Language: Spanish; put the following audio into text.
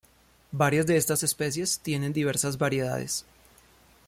Varias de estas especies tienen diversas variedades.